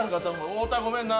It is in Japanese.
太田、ごめんな。